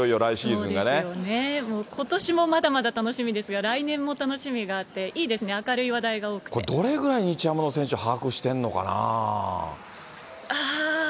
そうですよね、もう、ことしもまだまだ楽しみですが、来年も楽しみがあって、いいですね、明これ、どれぐらい、日ハムの選手、把握してんのかなぁ？